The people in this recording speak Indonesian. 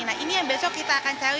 nah ini yang besok kita akan cari